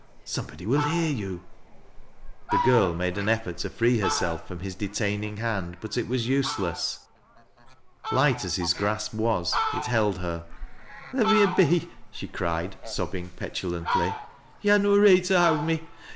Somebody will hear you." The girl made an effort to fjee herself from his detain rng hand, but it was useless. Light as his grasp was, it held her. " Let me a be," she cried, sobbing petulantly. "To ha' no reet to howd me.